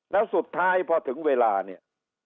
แล้วสุดท้ายพอถึงเวลาเนี่ย